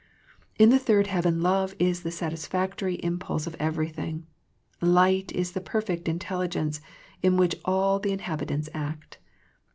In the third heaven love is the satisfactory im pulse of everything. Light is the perfect intelli gence in which all the inhabitants act.